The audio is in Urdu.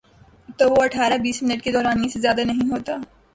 تو وہ اٹھارہ بیس منٹ کے دورانیے سے زیادہ نہیں ہوتا۔